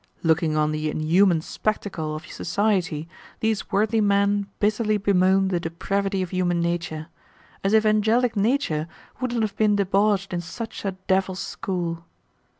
Looking on the inhuman spectacle of society, these worthy men bitterly bemoaned the depravity of human nature; as if angelic nature would not have been debauched in such a devil's school!